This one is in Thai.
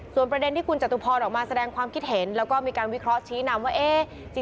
ส่วนประเด็นที่คุณจตุพรออกมาแสดงความคิดเห็นแล้วก็มีการวิเคราะห์ชี้นำว่า